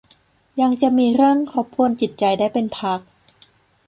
ยังจะมีเรื่องรบกวนจิตใจได้เป็นพัก